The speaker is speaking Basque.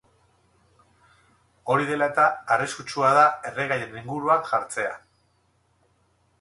Hori dela eta, arriskutsua da erregaien inguruan jartzea.